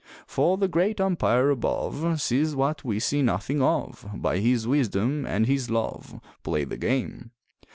For the Great Umpire above Sees what we see nothing of, By His wisdom and His love Play the game!